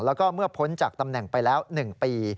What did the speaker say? แล้วก็เมื่อพ้นจากตำแหน่งไปแล้ว๑ปี